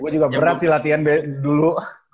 gue juga berat sih latihan dulu